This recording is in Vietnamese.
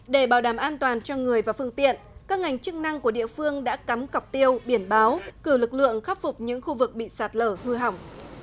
để bảo đảm an toàn cho người và phương tiện các ngành chức năng của địa phương đã cắm cọc tiêu biển báo cử lực lượng khắc phục những khu vực bị sạt lở hư hỏng